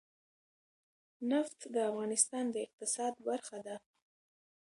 نفت د افغانستان د اقتصاد برخه ده.